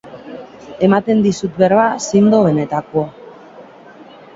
Ematen dizut berba zindo benetakoa.